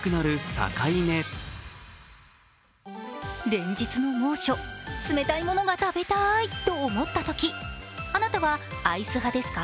連日の猛暑、冷たいものが食べたいと思ったときあなたはアイス派ですか？